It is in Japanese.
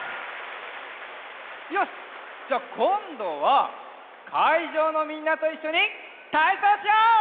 よしじゃあこんどはかいじょうのみんなといっしょにたいそうしよう！